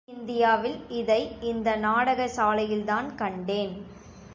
தென் இந்தியாவில் இதை இந்த நாடக சாலையில்தான் கண்டேன்.